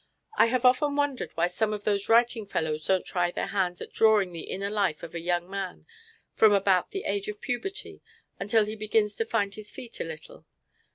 I have often wondered why some of those writing fellows don't try their hands at drawing the inner life of a young man from about the age of puberty until he begins to find his feet a little.